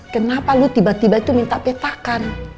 kenapa lo tiba tiba minta petakan